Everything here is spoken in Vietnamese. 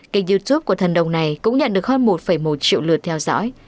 kênh youtube của thần đồng này cũng nhận được hơn một một triệu lượt theo dõi